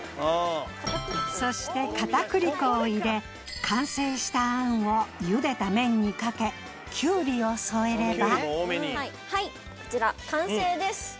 そして片栗粉を入れ完成した餡をゆでた麺にかけキュウリを添えればはいこちら完成です。